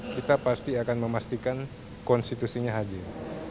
kita pasti akan memastikan konstitusinya hadir